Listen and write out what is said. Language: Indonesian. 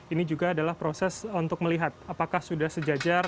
ini juga adalah proses untuk melihat apakah sudah sejajar